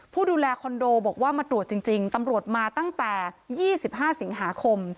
ผู้ดูแลคอนโดบอกว่ามาตรวจจริงตำรวจมาตั้งแต่๒๕สิงหาคม